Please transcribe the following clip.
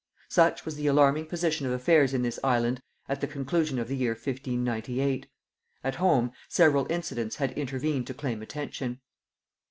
Such was the alarming position of affairs in this island at the conclusion of the year 1598. At home, several incidents had intervened to claim attention.